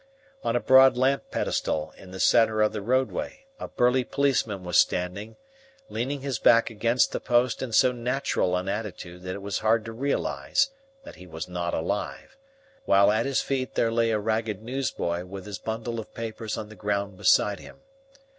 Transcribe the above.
On a broad lamp pedestal in the centre of the roadway, a burly policeman was standing, leaning his back against the post in so natural an attitude that it was hard to realize that he was not alive, while at his feet there lay a ragged newsboy with his bundle of papers on the ground beside him.